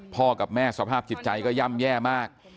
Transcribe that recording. กับแม่สภาพจิตใจก็ย่ำแย่มาก